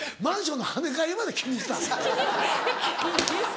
マンションの跳ね返りまで気にしたん？